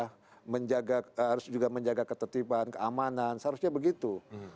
harus juga menjaga ketertiban keamanan seharusnya begitu